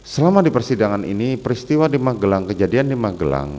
selama di persidangan ini peristiwa di magelang kejadian di magelang